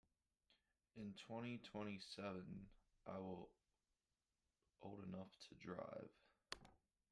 In twenty-twenty-seven I will old enough to drive.